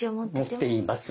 持っています。